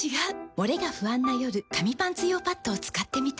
モレが不安な夜紙パンツ用パッドを使ってみた。